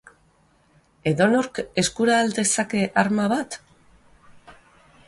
Edonork eskura al dezake arma bat?